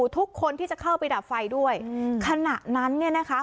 ทุกคนที่จะเข้าไปดับไฟด้วยขณะนั้นเนี่ยนะคะ